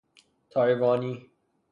تایوانی